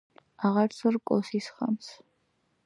აღარც რკოს ისხამს .